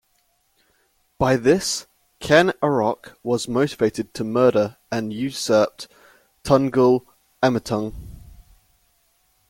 By this, Ken Arok was motivated to murder and usurped Tunggul Ametung.